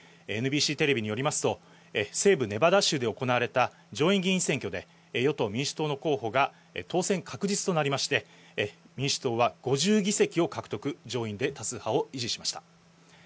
ＮＢＣテレビによりますと、西部ネバダ州で行われた上院議員選挙で与党・民主党の候補が当選確実となり、民主党は５０議席を獲得、上院で多数派を維持しました。